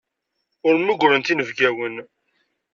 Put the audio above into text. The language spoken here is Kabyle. Ur mmugrent inebgawen.